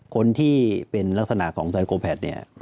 คนที่เป็นลักษณะของไซโกแพทเนี่ย